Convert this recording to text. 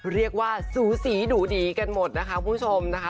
สูสีดูดีกันหมดนะคะคุณผู้ชมนะคะ